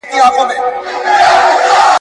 ستا مسکا به دنیا ټوله نورا ني کړه